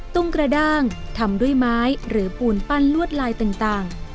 ตุ้งกระด้างทำด้วยไม้หรือปูนปั้นลวดลายต่าง